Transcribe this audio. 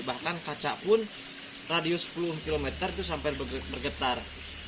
bahkan kaca pun radius sepuluh km itu sampai bergetar